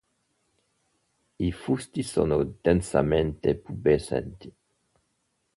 I fusti sono densamente pubescenti.